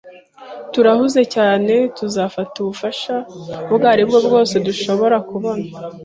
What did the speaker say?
Turahuze cyane tuzafata ubufasha ubwo aribwo bwose dushobora kubona.